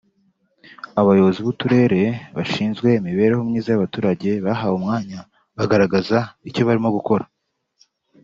Abayobozi buturere bashinzwe imibereho myiza y’abaturage bahawe umwanya bagaragaza icyo barimo gukora